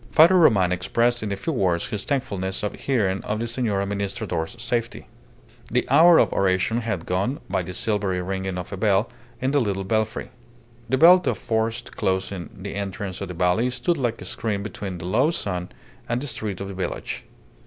Father Roman expressed in a few words his thankfulness at hearing of the Senor Administrador's safety. The hour of oration had gone by in the silvery ringing of a bell in the little belfry. The belt of forest closing the entrance of the valley stood like a screen between the low sun and the street of the village.